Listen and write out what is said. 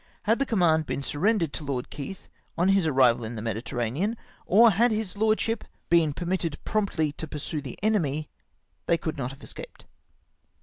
Had the command been sur rendered to Lord Keith on his arrival in the Mediterra nean, or had his lordship been permitted promptly to pursue the enemy, they could not have escaped.